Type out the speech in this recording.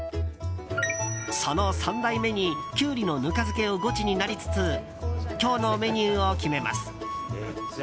その３代目に、キュウリのぬか漬けをゴチになりつつ今日のメニューを決めます。